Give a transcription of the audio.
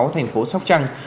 thành phố sóc trăng